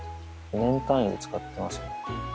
年単位で使ってますね。